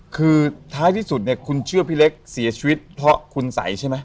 คือท้ายที่สุดเนี่ยคุณเชื่อพี่เล็กเสียชีวิตเพราะคุณสัยใช่ไหม